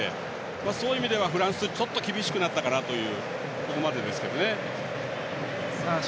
そういう意味ではフランスはちょっと厳しくなったかなというここまでですね。